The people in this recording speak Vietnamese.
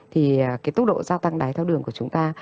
thì cái tốc độ gia tăng đáy theo đường của chúng ta